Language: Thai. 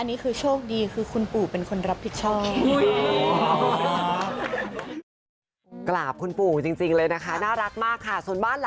นี่คือโชคดีคือคุณปู่เป็นคนรับผิดชอบ